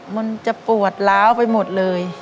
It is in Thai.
มันจะปวดล้าวไปหมดเลย